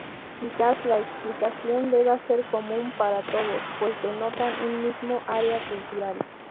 Quizás la explicación deba ser común para todos pues denotan un mismo área cultural.